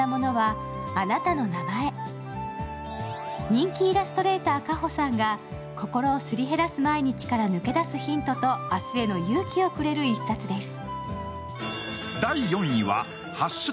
人気イラストレーター、Ｃａｈｏさんが心をすり減らす毎日から抜け出すヒントと明日への勇気をくれる一冊です。